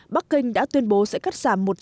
bắc kinh đã tuyên bố sẽ cắt giảm